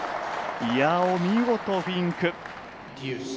お見事、フィンク。